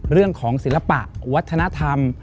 เรื่องของศิลปะวัฒนธรรม